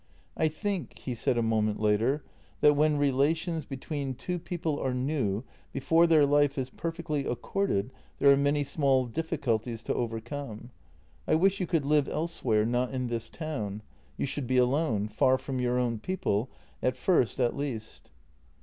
" I think," he said a moment later, " that when relations between two people are new, before their life is perfectly ac corded, there are many small difficulties to overcome. I wish you could live elsewhere, not in this town. You should be alone, far from your own people — at first at least."